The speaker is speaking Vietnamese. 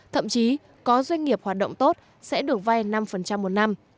thậm chí có doanh nghiệp hoạt động tốt sẽ được vay năm một năm